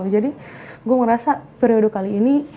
jadi gue ngerasa periode kali ini